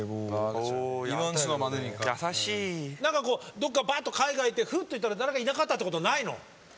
どっかばっと海外行ってふっと見たら誰かいなかったってことないの？